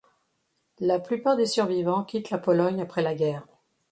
La plupart des survivants quittent la Pologne après la guerre.